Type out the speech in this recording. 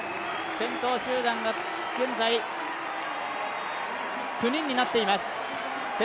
先頭集団が現在、９人になっています。